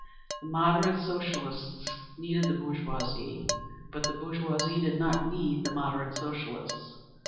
The "moderate" Socialists needed the bourgeoisie. But the bourgeoisie did not need the "moderate" Socialists.